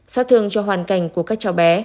so thương cho hoàn cảnh của các cháu bé